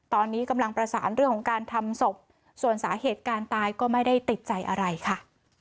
ตอนนี้กำลังประสานเรื่องของการทำศพส่วนสาเหตุการตายก็ไม่ได้ติดใจอะไรค่ะ